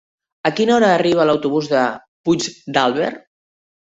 A quina hora arriba l'autobús de Puigdàlber?